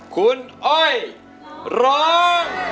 คุณอ้อยร้อง